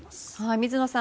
水野さん